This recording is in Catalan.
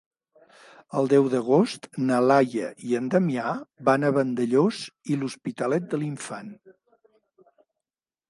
El deu d'agost na Laia i en Damià van a Vandellòs i l'Hospitalet de l'Infant.